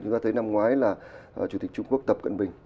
chúng ta thấy năm ngoái là chủ tịch trung quốc tập cận bình